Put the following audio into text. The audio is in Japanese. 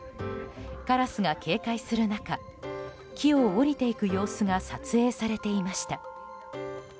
カラスが警戒する中木を降りていく様子が撮影されていました。